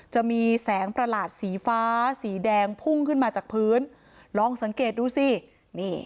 จะมีแสงประหลาดสีฟ้าสีแดงพุ่งขึ้นมาจากพื้นลองสังเกตดูสินี่